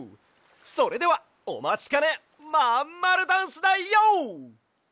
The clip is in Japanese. それではおまちかね「まんまるダンス」だＹＯ！